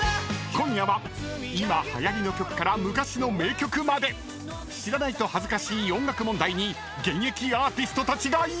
［今夜は今はやりの曲から昔の名曲まで知らないと恥ずかしい音楽問題に現役アーティストたちが挑む！］